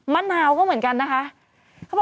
มะนาวก็เหมือนกันนะคะ